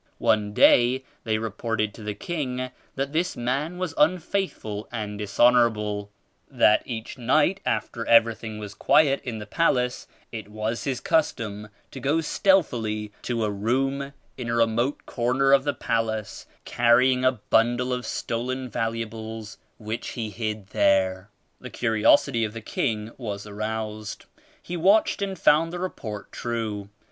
One day they reported to the king that this man was unfaithful and dishonorable; that each night after every thing was quiet in the palace, it was his custom to go stealthily to a room in a remote corner of the palace carrying a bundle of stolen valuables which he hid there. The curiosity of the king was aroused. He watched and found the report true.